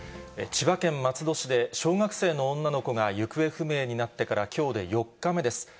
千葉県松戸市で小学生の女の子が行方不明になってから、きょうで４日目です。